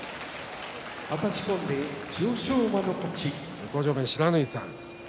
向正面、不知火さん